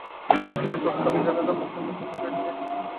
তিনি তৎকালীন general Jose মোস্কার্দোর একজন ঘনিষ্ঠ বন্ধু ছিলেন।